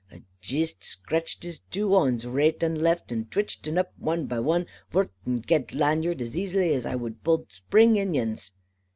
A jist stratched his two hons, raight and left, and twitched un up, wan by wan, vor ten gude lanyard, as asily as ai wud pull spring inyons.